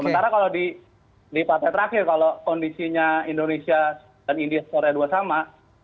sementara kalau di partai terakhir kalau kondisinya indonesia dan india korea dua sama